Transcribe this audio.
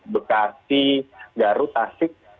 bekasi garut asik